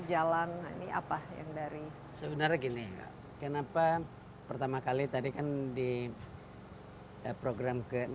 jalan ini apa yang dari sebenarnya gini kenapa pertama kali tadi kan di program ke enam